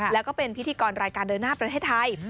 แล้วก็เป็นพิธีกรรายการเดินหน้าประเทศไทย